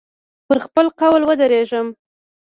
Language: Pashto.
پر خپل قول ودرېږم.